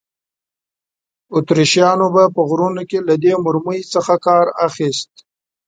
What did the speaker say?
اتریشیانو به په غرونو کې له دې مرمۍ څخه کار اخیست.